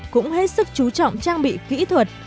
cũng hết sức trú trọng trang bị kỹ thuật